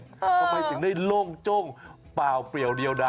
ทำไมถึงได้โล่งจ้งเปล่าเปรียวเดียวได้